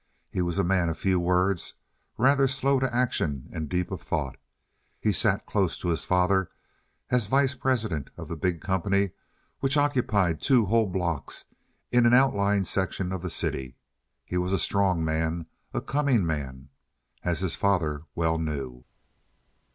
He was a man of few words, rather slow to action and of deep thought. He sat close to his father as vice president of the big company which occupied two whole blocks in an outlying section of the city. He was a strong man—a coming man, as his father well knew.